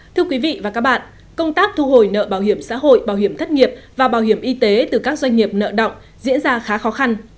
thưa quý vị và các bạn công tác thu hồi nợ bảo hiểm xã hội bảo hiểm thất nghiệp và bảo hiểm y tế từ các doanh nghiệp nợ động diễn ra khá khó khăn